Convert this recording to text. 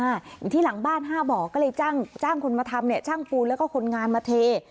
อยู่ที่หลังบ้านห้าบ่อก็เลยจ้างจ้างคนมาทำเนี่ยช่างปูนแล้วก็คนงานมาเท